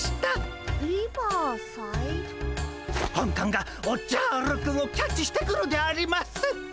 本官がおっじゃるくんをキャッチしてくるであります！